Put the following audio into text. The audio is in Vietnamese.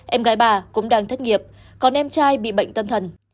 em gái bà cũng đang thất nghiệp còn em trai bị bệnh tâm thần